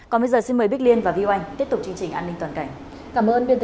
còn bây giờ xin mời bích liên và viu anh tiếp tục chương trình an ninh toàn cảnh